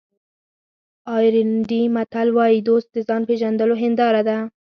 آیرلېنډي متل وایي دوست د ځان پېژندلو هنداره ده.